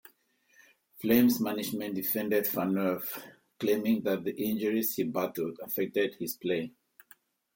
Flames management defended Phaneuf, claiming that the injuries he battled affected his play.